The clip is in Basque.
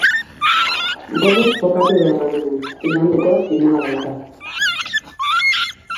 Gogoz jokatu beharra dugu, igandekoa finala baita.